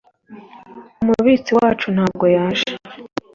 umubitsi wacu ntago yaje